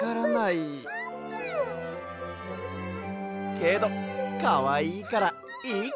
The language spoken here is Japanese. けどかわいいからいいか！